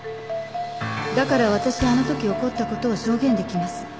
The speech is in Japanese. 「だから私はあの時起こったことを証言出来ます」